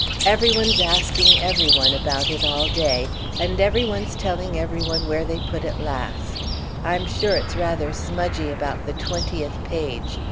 Every one's asking every one about it all day, and every one's telling every one where they put it last. I'm sure it's rather smudgy about the twentieth page.